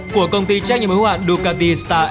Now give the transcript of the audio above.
của công ty trách nhiệm hữu hạn ducati star